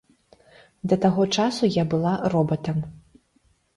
Да таго часу я была робатам.